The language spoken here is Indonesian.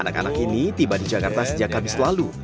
anak anak ini tiba di jakarta sejak habis lalu